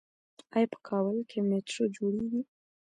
آیا په کابل کې میټرو جوړیږي؟